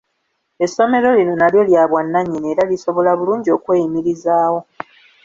Essomero lino nalyo lya bwannannyini era lisobola bulungi okweyimirizaawo.